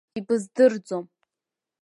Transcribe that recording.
Ибыздырӡом!